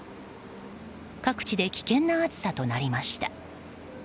各地で危険な暑さとなりました。